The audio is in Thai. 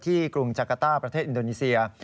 กรุงจักรต้าประเทศอินโดนีเซีย